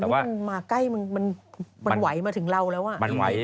อันนี้มันมาใกล้มันไหวมาถึงเราแล้ว